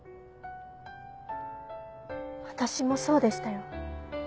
私もそうでしたよ。